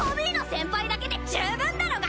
先輩だけで十分だろが！